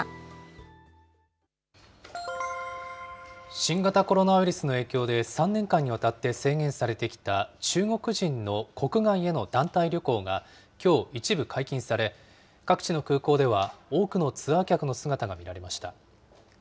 新型コロナウイルスの影響で３年間にわたって制限されてきた中国人の国外への団体旅行が、きょう一部解禁され、各地の空港では、多くのツアー客の姿が見られました。